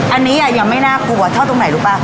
อันนี้ยังไม่น่ากลัวเท่าตรงไหนรู้ป่ะ